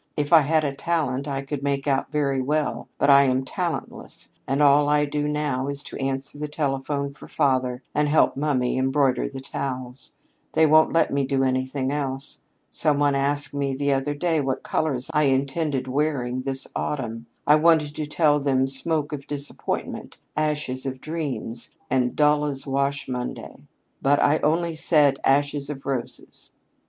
If I had a talent I could make out very well, but I am talentless, and all I do now is to answer the telephone for father and help mummy embroider the towels. They won't let me do anything else. Some one asked me the other day what colors I intended wearing this autumn. I wanted to tell them smoke of disappointment, ashes of dreams, and dull as wash Monday. But I only said ashes of roses.